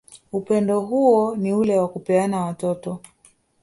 Upendo hou ni ule wa kupeana watoto